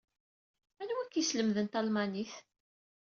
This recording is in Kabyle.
Anwa ay ak-yeslemden talmanit?